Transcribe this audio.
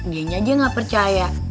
gainya aja nggak percaya